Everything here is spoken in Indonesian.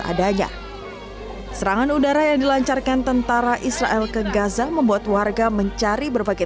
adanya serangan udara yang dilancarkan tentara israel ke gaza membuat warga mencari berbagai